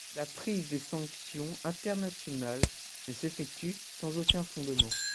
La prise des sanctions internationales ne s'effectue sans aucun fondements.